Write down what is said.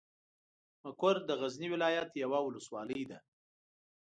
مقر د غزني ولايت یوه ولسوالۍ ده.